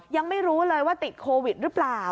ยังไม่รู้เลยว่าติดโควิดหรือเปล่า